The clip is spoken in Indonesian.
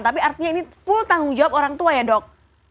tapi artinya ini full tanggung jawab orang tua ya dok